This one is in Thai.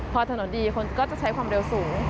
พอถนนดีคนก็จะใช้ความเร็วสูง